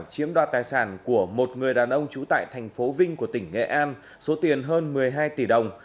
chiếm đoạt tài sản của một người đàn ông trú tại thành phố vinh của tỉnh nghệ an số tiền hơn một mươi hai tỷ đồng